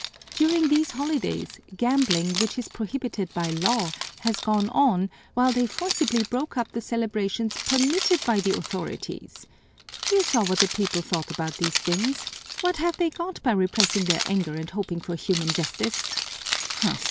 During these holidays gambling, which is prohibited by law, has gone on while they forcibly broke up the celebrations permitted by the authorities. You saw what the people thought about these things; what have they got by repressing their anger and hoping for human justice?